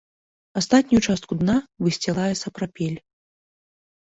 Астатнюю частку дна высцілае сапрапель.